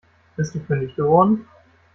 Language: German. Bist du fündig geworden?